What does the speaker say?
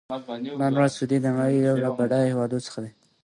نن ورځ سعودي د نړۍ یو له بډایه هېوادونو څخه دی.